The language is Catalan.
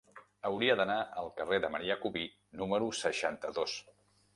Hauria d'anar al carrer de Marià Cubí número seixanta-dos.